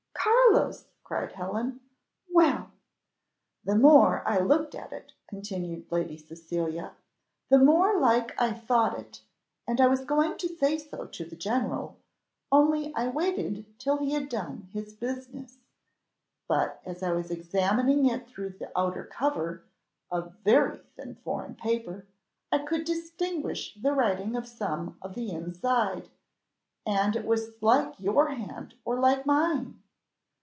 "Carlos!" cried Helen: "well!" "The more I looked at it," continued Lady Cecilia, "the more like I thought it; and I was going to say so to the general, only I waited till he had done his business: but as I was examining it through the outer cover, of very thin foreign paper, I could distinguish the writing of some of the inside, and it was like your hand or like mine.